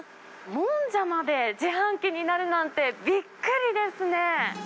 もんじゃまで自販機になるなんて、びっくりですね。